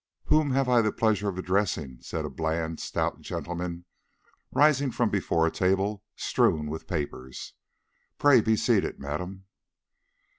"Whom have I the pleasure of addressing?" said a bland, stout gentleman, rising from before a table strewn with papers. "Pray be seated, madam."